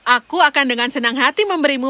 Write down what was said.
aku akan dengan senang hati memberimu